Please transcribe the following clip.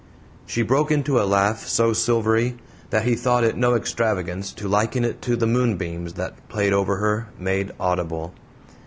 She broke into a laugh so silvery that he thought it no extravagance to liken it to the moonbeams that played over her made audible.